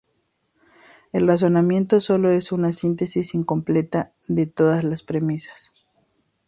El razonamiento sólo es una síntesis incompleta de todas las premisas.